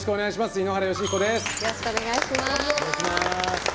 井ノ原快彦です。